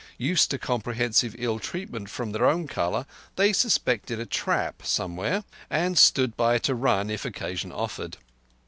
Used to comprehensive ill treatment from their own colour, they suspected a trap somewhere, and stood by to run if occasion offered.